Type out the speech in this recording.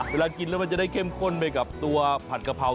เวลากินแล้วมันจะได้เข้มข้นไปกับตัวผัดกะเพรา